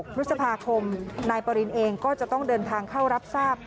พฤษภาคมนายปรินเองก็จะต้องเดินทางเข้ารับทราบ